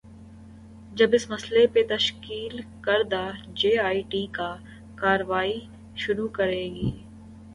جب اس مسئلے پہ تشکیل کردہ جے آئی ٹی کارروائی شروع کرے گی۔